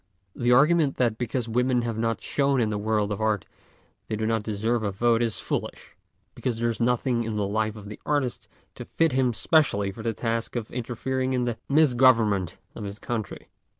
The argument that because women have not shone in the world of art they do not deserve a vote is foolish, because there is nothing in the life of the artist to fit him specially for the task of interfering in the misgovernment of his country.